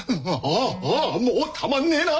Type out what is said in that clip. ああもうたまんねえな！